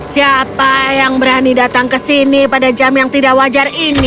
siapa yang berani datang ke sini pada jam yang tiga